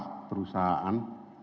tetapi juga mendukung pembayaran